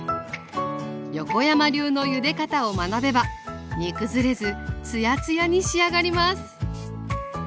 横山流のゆで方を学べば煮崩れずつやつやに仕上がります。